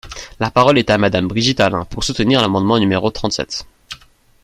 La parole est à Madame Brigitte Allain, pour soutenir l’amendement numéro trente-sept.